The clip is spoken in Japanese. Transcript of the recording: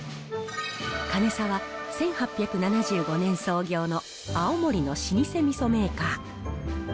かねさは、１８７５年創業の青森の老舗みそメーカー。